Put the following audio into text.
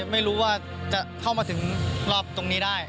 ไม่รู้ว่าจะเข้ามาถึงรอบตรงนี้ได้